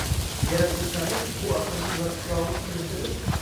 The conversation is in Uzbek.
Yaratuvchanlik – bu aqlning vaqtichog’lik qilishidi